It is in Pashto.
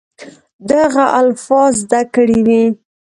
دغه الفاظ زده کړي وي